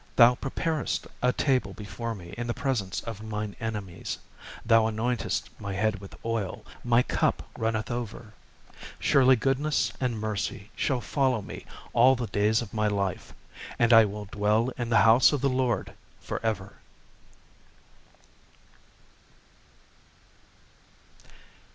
5 Thou preparest a table before me in the presence of mine enemies: thou anointest my head with oil; my cup runneth over. 6 Surely goodness and mercy shall follow me all the days of my life: and I will dwell in the house of the LORD for ever.